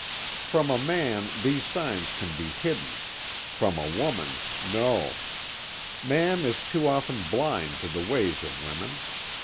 From a man these signs can be hidden; from a woman, no; man is too often blind to the ways of women.